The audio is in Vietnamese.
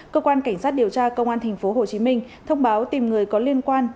cơ quan cảnh sát điều tra công an thành phố hồ chí minh thông báo tìm người có liên quan